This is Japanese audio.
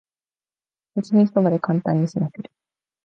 立ち食いそばでカンタンにすませる